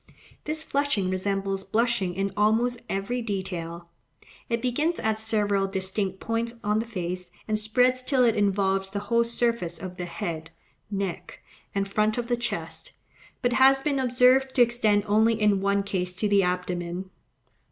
This flushing resembles blushing in almost every detail: it begins at several distinct points on the face, and spreads till it involves the whole surface of the head, neck, and front of the chest; but has been observed to extend only in one case to the abdomen.